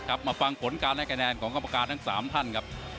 มาฟังผลการให้คะแนนของกรรมการทั้ง๓ท่านครับ